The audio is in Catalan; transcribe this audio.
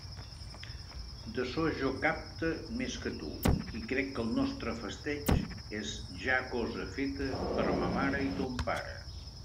D'açò jo «capte» més que tu, i crec que el nostre festeig és ja cosa feta per a ma mare i ton pare.